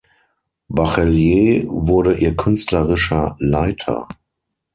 Bachelier wurde ihr künstlerischer Leiter.